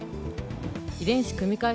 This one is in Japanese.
遺伝子組み換え